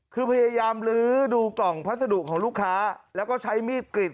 คือพยายามลื้อดูกล่องพัสดุของลูกค้าแล้วก็ใช้มีดกรีด